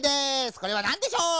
これはなんでしょう？